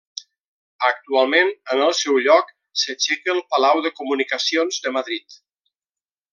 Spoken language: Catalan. Actualment en el seu lloc s'aixeca el Palau de Comunicacions de Madrid.